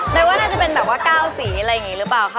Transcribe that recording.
เลยว่าน่าจะเป็นแบบว่า๙สีอะไรอย่างนี้หรือเปล่าค่ะ